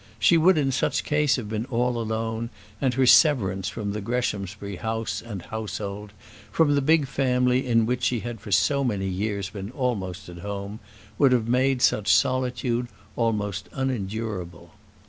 She would in such case have been all alone, and her severance from the Greshamsbury house and household, from the big family in which she had for so many years been almost at home, would have made such solitude almost unendurable.